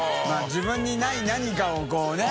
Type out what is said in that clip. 自分にない何かをこうね。